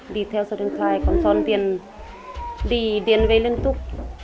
đi theo số điện thoại con son đi đến về liên tục